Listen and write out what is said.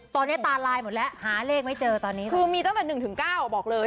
ตอนนี้ตาลายหมดแล้วหาเลขไม่เจอตอนนี้คือมีตั้งแต่หนึ่งถึงเก้าบอกเลย